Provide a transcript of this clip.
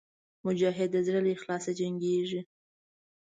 مجاهد د زړه له اخلاصه جنګېږي.